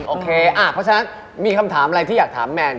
โอเคเพราะฉะนั้นมีคำถามอะไรที่อยากถามแมน